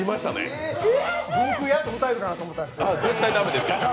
僕やっと歌えるかなと思ったんですけど絶対駄目ですよ。